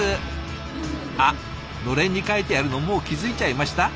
あっのれんに書いてあるのもう気付いちゃいました？